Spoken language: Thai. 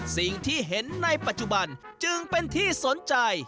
สิ่งที่เห็นในปัจจุบันจึงเป็นที่สนใจ